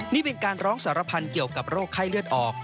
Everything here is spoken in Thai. นี่เป็นการร้องสารพันธ์เกี่ยวกับโรคไข้เลือดออก